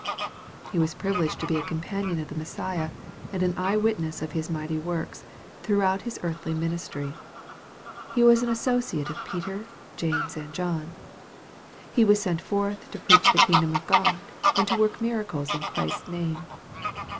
He was privileged tc be a companion of the Messiah, and an eye witness of His mighty works, throughout His earthly ministry. He was an associate of Peter, James and John. He was sent forth to preach the kingdom of God, and to work miracles in Christ's name.